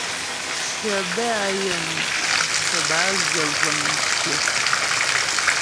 Shyə bɛ́ á yaə́mu' tə́ bə́ á ghə vəŋ mcyə̀.